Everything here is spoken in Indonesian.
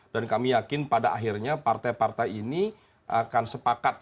dan kami yakin pada akhirnya partai partai ini akan sepakat